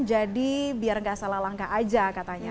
jadi biar gak salah langkah aja katanya